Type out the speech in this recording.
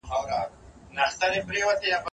زه کولای سم چپنه پاک کړم،